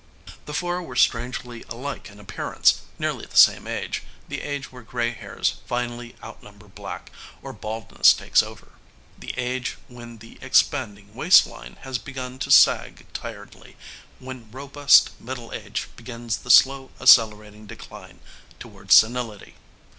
The four were strangely alike in appearance, nearly the same age, the age where gray hairs finally outnumber black, or baldness takes over. The age when the expanding waistline has begun to sag tiredly, when robust middle age begins the slow accelerating decline toward senility.